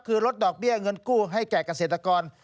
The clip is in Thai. คือลดดอกเบี้ยเงินกู้ให้แก่เกษตรกร